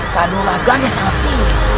kanulah ganesh hati